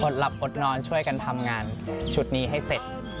หลับอดนอนช่วยกันทำงานชุดนี้ให้เสร็จ